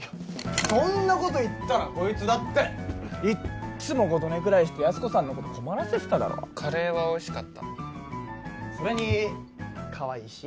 そんなこと言ったらこいつだっていっつも五度寝ぐらいしてやす子さんのこと困らせてただろカレーはおいしかったそれにかわいいし？